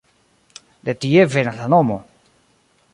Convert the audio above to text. De tie venas la nomo.